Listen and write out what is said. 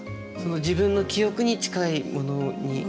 自分の記憶に近いものに。